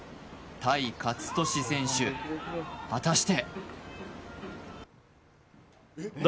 泰勝利選手、果たして？